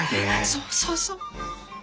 そうそうそう。